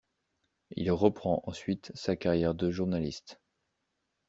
Il reprend ensuite sa carrière de journaliste.